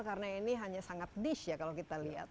karena ini hanya sangat dish ya kalau kita lihat